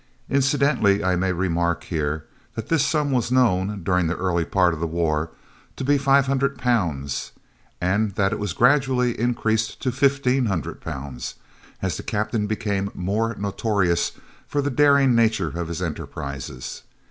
Incidentally I may remark here that this sum was known, during the early part of the war, to be £500 and that it was gradually increased to £1,500, as the Captain became more notorious for the daring nature of his enterprises.